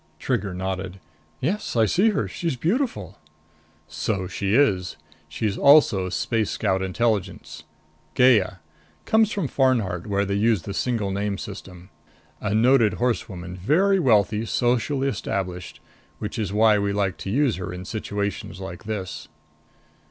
Trigger nodded. "Yes. I see her. She's beautiful." "So she is. She's also Space Scout Intelligence. Gaya. Comes from Farnhart where they use the single name system. A noted horsewoman, very wealthy, socially established. Which is why we like to use her in situations like this."